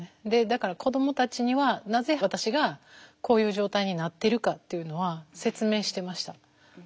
だから子どもたちにはなぜ私がこういう状態になっているかっていうのは説明してました。